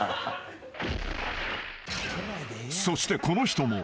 ［そしてこの人も］